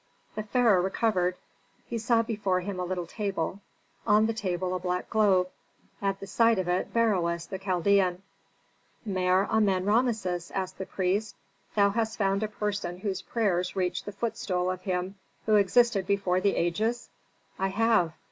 The pharaoh recovered. He saw before him a little table, on the table a black globe, at the side of it Beroes the Chaldean. "Mer Amen Rameses," asked the priest, "hast thou found a person whose prayers reach the footstool of Him who existed before the ages?" "I have."